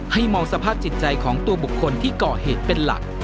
มองสภาพจิตใจของตัวบุคคลที่ก่อเหตุเป็นหลัก